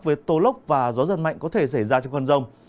với tô lốc và gió giật mạnh có thể xảy ra trong cơn rông